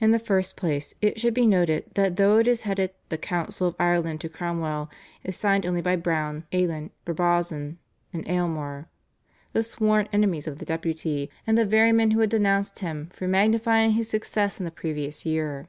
In the first place it should be noted that though it is headed "The Council of Ireland to Cromwell," it is signed only by Browne, Alen, Brabazon, and Aylmer, the sworn enemies of the Deputy, and the very men who had denounced him for magnifying his success in the previous year.